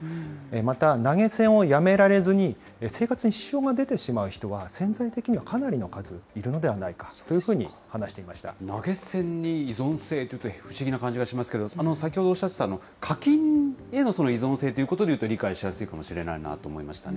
また投げ銭をやめられずに生活に支障が出てしまう人は、潜在的にはかなりの数いるのではないかというふうに話していまし投げ銭に依存性というと、不思議な感じがしますけれども、先ほどおっしゃっていましたが、課金への依存性ということでいうと理解しやすいかなと思いましたね。